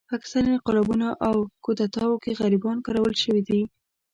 په اکثره انقلابونو او کودتاوو کې غریبان کارول شوي دي.